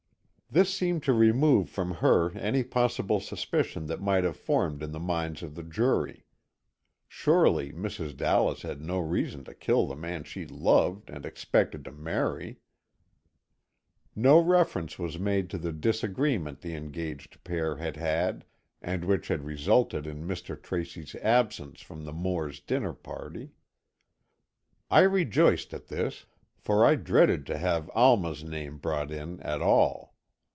This seemed to remove from her any possible suspicion that might have formed in the minds of the jury. Surely, Mrs. Dallas had no reason to kill the man she loved and expected to marry. No reference was made to the disagreement the engaged pair had had, and which had resulted in Mr. Tracy's absence from the Moores' dinner party. I rejoiced at this, for I dreaded to have Alma's name brought in at all.